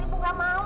ibu gak mau